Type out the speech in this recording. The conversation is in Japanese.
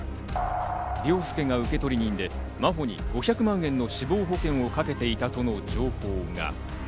凌介が受取人で、真帆に５００万円の死亡保険をかけていたという情報が。